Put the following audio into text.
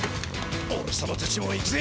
おれさまたちも行くぜ。